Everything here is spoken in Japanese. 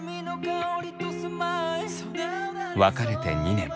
別れて２年。